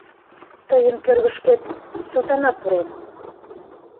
Тыйын кӧргышкет сотана пурен...